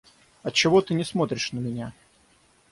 Отчего ты не смотришь на меня?